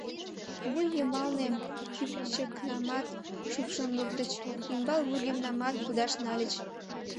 Вуй йымалне кӱпчыкнамат шупшын луктыч, ӱмбал вургемнамат кудаш нальыч.